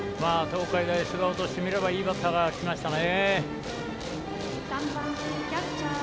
東海大菅生としてみればいいバッターが来ましたね。